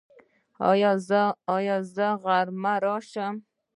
ایا زه غرمه راشم؟